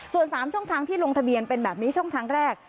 ส่วน๓ช่องทางที่ลงทะเบียนเป็นแบบนี้ช่องทางแรก